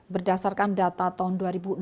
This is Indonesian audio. berdasarkan data tahun dua ribu enam belas